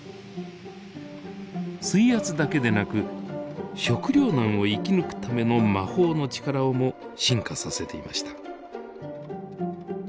水圧だけでなく食糧難を生き抜くための魔法の力をも進化させていました。